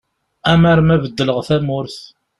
Amar ma beddleɣ tamurt.